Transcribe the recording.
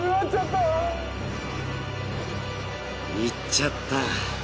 行っちゃった。